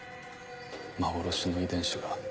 幻の遺伝子が。